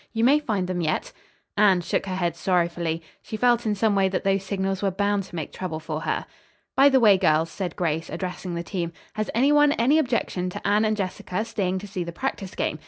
"You may find them yet." Anne shook her head sorrowfully. She felt in some way that those signals were bound to make trouble for her. "By the way, girls," said Grace, addressing the team, "has any one any objection to Anne and Jessica staying to see the practice game?